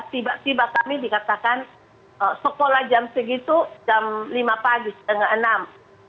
tiba tiba kami dikatakan sekolah jam segitu jam lima tiga puluh